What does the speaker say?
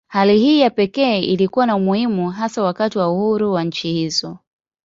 Hali hii ya pekee ilikuwa na umuhimu hasa wakati wa uhuru wa nchi hizo.